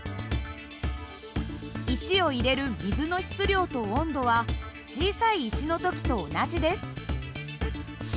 石を入れる水の質量と温度は小さい石の時と同じです。